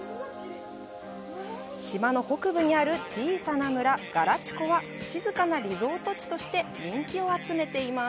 島の北部にある小さな村、ガラチコは、静かなリゾート地として人気を集めています。